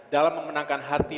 dalam memenangkan hati